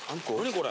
これ。